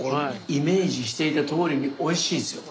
イメージしていたとおりにおいしいですよ。